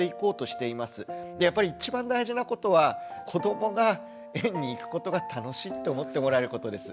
でやっぱり一番大事なことは子どもが園に行くことが楽しいって思ってもらえることです。